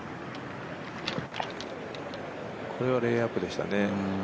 これはレイアップでしたね。